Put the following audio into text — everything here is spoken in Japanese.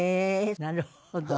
なるほど。